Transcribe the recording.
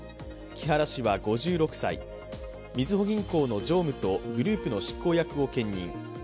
木原氏は５６歳、みずほ銀行の常務とグループの執行役を兼任。